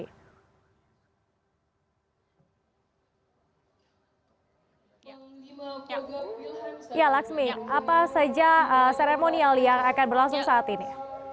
ya laksmi apa saja seremonial yang akan berlangsung saat ini